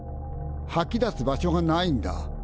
はき出す場所がないんだ。